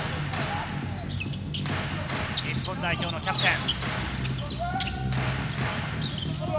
日本代表のキャプテン。